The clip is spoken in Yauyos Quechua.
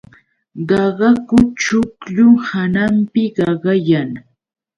Qaqaku chuqllu hananpi qaqayan.